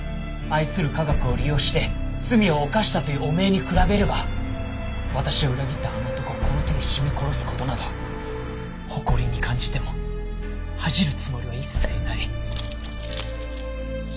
愛する科学を利用して罪を犯したという汚名に比べれば私を裏切ったあの男をこの手で絞め殺す事など誇りに感じても恥じるつもりは一切ない。